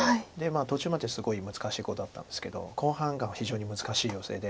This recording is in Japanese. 途中まですごい難しい碁だったんですけど後半が非常に難しいヨセで。